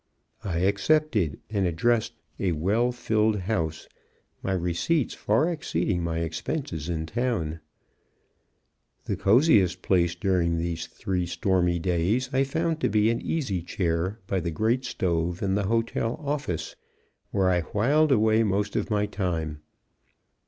I accepted, and addressed a well filled house; my receipts far exceeding my expenses in town. The coziest place during these three stormy days, I found to be an easy chair by the great stove in the hotel office, where I whiled away most of my time.